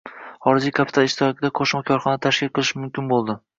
Xorijiy kapital ishtirokida qo‘shma korxonalar tashkil qilish mumkin bo‘ldi.